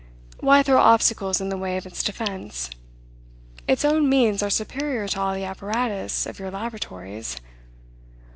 Why throw obstacles in the way of its defense? Its own means are superior to all the apparatus of your laboratories.